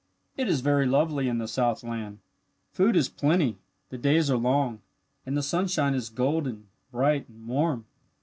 "It is very lovely in the southland. Food is plenty, the days are long, and the sunshine is golden, bright, and warm.